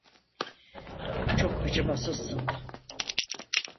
Çok acımasızsın.